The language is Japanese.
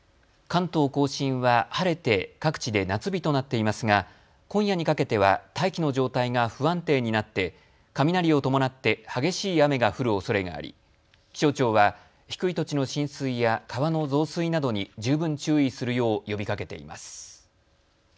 関東甲信は晴れて各地で夏日となっていますが今夜にかけては大気の状態が不安定になって雷を伴って激しい雨が降るおそれがあり気象庁は低い土地の浸水や川の増水などに十分注意するよう呼びかけています。